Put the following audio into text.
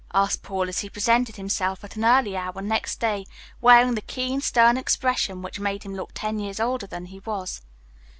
asked Paul, as he presented himself at an early hour next day, wearing the keen, stern expression which made him look ten years older than he was.